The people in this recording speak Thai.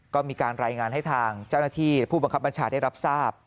ก็มีการรายงานให้ทางเจ้าหน้าที่ผู้บังคับบัญชาได้รับทราบ